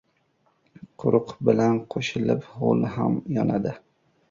• Quruq bilan qo‘shilib, ho‘l ham yonadi.